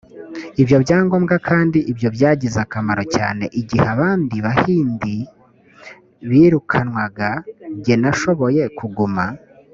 ibyo byangombwa kandi ibyo byagize akamaro cyane igihe abandi bahindi birukanwaga jye nashoboye kuguma